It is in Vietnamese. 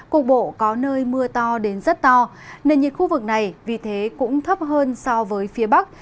cục bộ có nơi mưa to đến rất to nền nhiệt khu vực này vì thế cũng thấp hơn so với phía bắc